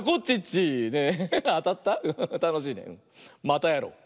またやろう！